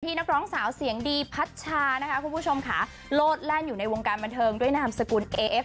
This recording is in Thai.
นักร้องสาวเสียงดีพัชชานะคะคุณผู้ชมค่ะโลดแล่นอยู่ในวงการบันเทิงด้วยนามสกุลเอเอฟ